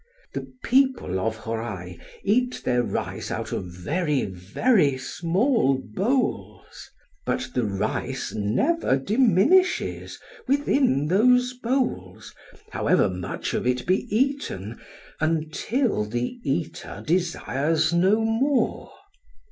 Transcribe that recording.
The people of Hōrai eat their rice out of very, very small bowls; but the rice never diminishes within those bowls,—however much of it be eaten,—until the eater desires no more.